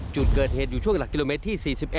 จุดเกิดเหตุอยู่ช่วงหลักกิโลเมตรที่๔๑